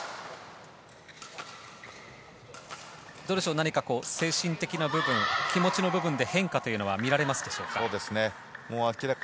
何か精神的な部分気持ちの部分で変化というのは見られますでしょうか。